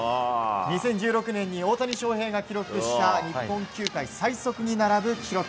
２０１６年に大谷翔平が記録した日本球界最速に並ぶ記録。